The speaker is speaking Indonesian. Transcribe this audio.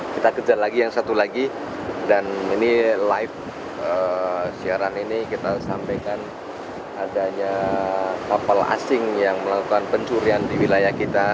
kita kejar lagi yang satu lagi dan ini live siaran ini kita sampaikan adanya kapal asing yang melakukan pencurian di wilayah kita